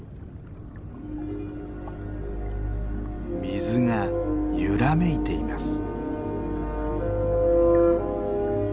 水が揺らめいています。